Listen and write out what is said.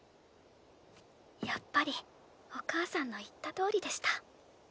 やっぱりお母さんの言ったとおりでした。